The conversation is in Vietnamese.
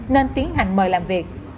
nên tiến hành mời làm việc